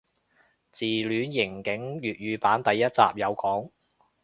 自戀刑警粵語版第一集有講